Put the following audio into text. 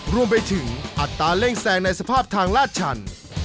รวมไปถึงอัตราเร่งแซงในสภาพทางลาดชัน